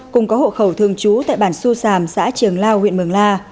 cùng có hộ khẩu thường trú tại bản xu sàm xã trường lao huyện mường la